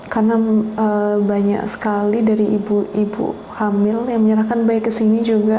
karena banyak sekali dari ibu ibu hamil yang menyerahkan bayi kesini juga